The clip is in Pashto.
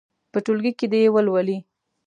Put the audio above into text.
په ټولګي کې دې یې ولولي.